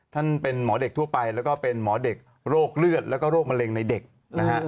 ท่านเป็นหมอเด็กทั่วไปแล้วก็เป็นหมอเด็กโรคเลือดแล้วก็โรคมะเร็งในเด็กนะฮะ